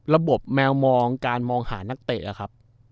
ระบบแมวมองการมองหานักเตะ